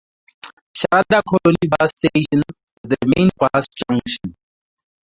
"Sharada Colony bus station" is the main bus junction.